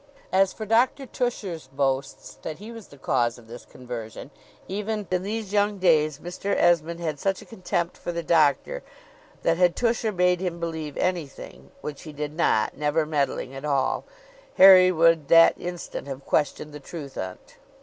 As for Dr. Tusher's boasts that he was the cause of this conversion even in these young days Mr. Esmond had such a contempt for the Doctor, that had Tusher bade him believe anything (which he did not never meddling at all), Harry would that instant have questioned the truth on't.